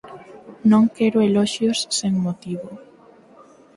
Non quero eloxios sen motivo.